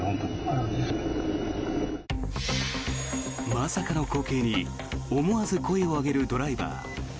まさかの光景に思わず声を上げるドライバー。